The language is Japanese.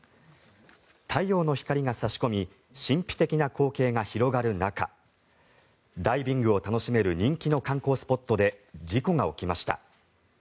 太陽の光が差し込み神秘的な光景が広がる中ダイビングを楽しめる人気の観光スポットで事故が起きました。